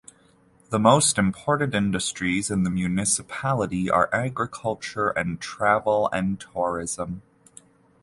The most important industries in the municipality are agriculture and travel and tourism.